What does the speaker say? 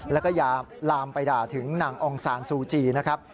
แล้วก็อย่าลามไปด่าถึงนางองซานซูจีนะครับ